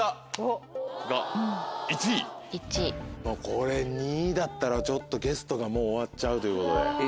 これ２位だったらゲストがもう終わっちゃうということで。